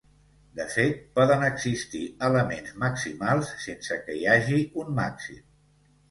De fet, poden existir elements maximals sense que hi hagi un màxim.